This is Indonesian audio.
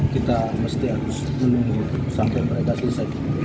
kita mesti harus menunggu sampai mereka selesai